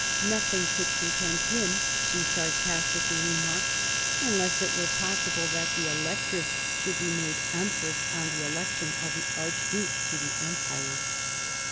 "Nothing would content him," she sarcastically re marked, "unless it were possible that the Electress should be made Empress on the election of the Archduke to the Empire."